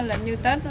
lần như tết